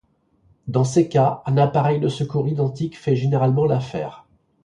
Dans ces cas, un appareil de secours identique fait généralement l'affaire.